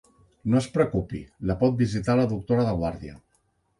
No es preocupi, la pot visitar la doctora de guàrdia.